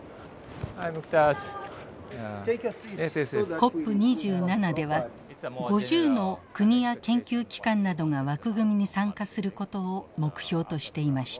ＣＯＰ２７では５０の国や研究機関などが枠組みに参加することを目標としていました。